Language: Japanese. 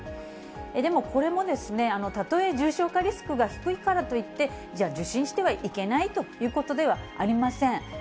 でも、これも例え重症化リスクが低いからといって、じゃあ、受診してはいけないということではありません。